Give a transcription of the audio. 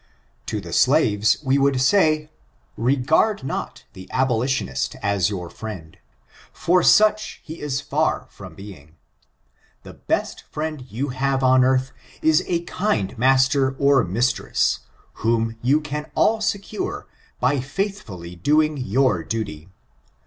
To the slaves we would say, regard not the aboli tionist as your friend, for such he is far from being. The best friend you have on earth is a kind master or mistress, whom you can all secure by faithfully doing your duty.